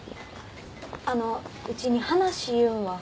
あのうちに話いうんは？